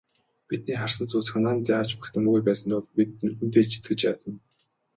Бидний харсан зүйл санаанд яавч багтамгүй байсан тул бид нүдэндээ ч итгэж ядна.